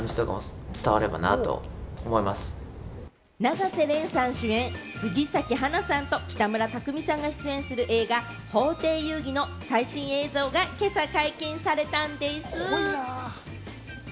永瀬廉さんが主演、杉咲花さんと北村匠海さんが出演する映画『法廷遊戯』の最新映像が今朝解禁されたんでぃす。